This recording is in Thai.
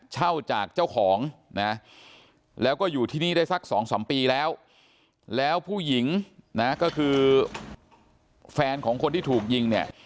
เช่าจากเจ้าของนะแล้วก็อยู่ที่นี่ได้สักสองสามปีแล้วแล้วผู้หญิงนะก็คือแฟนของคนที่ถูกยิงเนี่ย